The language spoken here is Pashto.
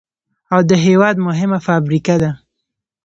او د هېواد مهمه فابريكه ده،